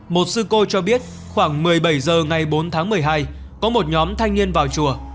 một sư cô cho biết khoảng một mươi bảy h ngày bốn tháng một mươi hai có một nhóm thanh niên vào chùa